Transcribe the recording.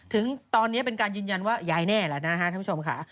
ถึงตอนนี้เป็นการยืนยันว่ายายแน่แล้วนะฮะท่านผู้ชมค่ะ